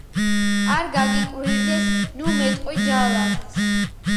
არ გაგიკვირდეს ნუ მეტყვი ჯალათს